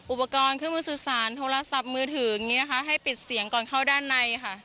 อุปกรณ์เครื่องมือสื่อสารโทรศัพท์มือถืออย่างนี้นะคะให้ปิดเสียงก่อนเข้าด้านในค่ะ